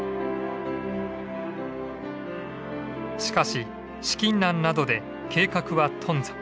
しかし資金難などで計画は頓挫。